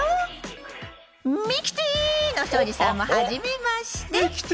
「ミキティー！」の庄司さんもはじめまして。